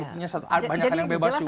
banyak yang bebas juga